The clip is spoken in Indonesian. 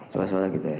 suara suara gitu ya